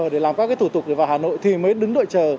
để làm các thủ tục vào hà nội thì mới đứng đợi chờ